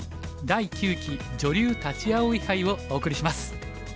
第９期女流立葵杯」をお送りします。